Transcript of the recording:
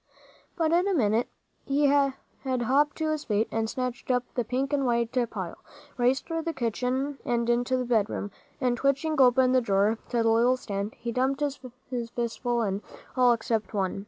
But in a minute he had hopped to his feet, and snatched up the pink and white pile, raced through the kitchen and into the bedroom, and twitching open the drawer to the little stand, he dumped his fistful in, all except one.